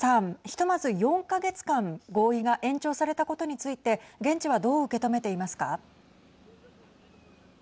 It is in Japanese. ひとまず４か月間、合意が延長されたことについて現地はどう受け止めていますか。